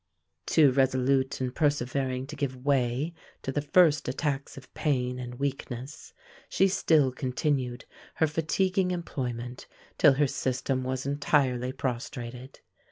Too resolute and persevering to give way to the first attacks of pain and weakness, she still continued her fatiguing employment till her system was entirely prostrated.